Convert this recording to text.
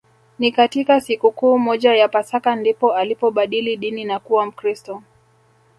Ni katika sikukuu moja ya Pasaka ndipo alipobadili dini na kuwa Mkristo